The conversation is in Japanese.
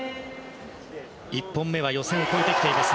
１本目は予選を超えてきています。